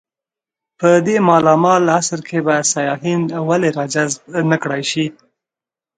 په دې مالامال عصر کې به سیاحین ولې راجذب نه کړای شي.